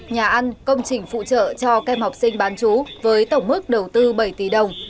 nhà ăn công trình phụ trợ cho kem học sinh bán chú với tổng mức đầu tư bảy tỷ đồng